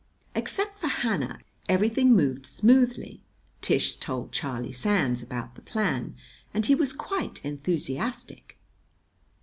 Except for Hannah, everything moved smoothly. Tish told Charlie Sands about the plan, and he was quite enthusiastic.